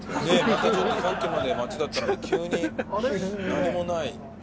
またちょっとさっきまで街だったのに急に何もない。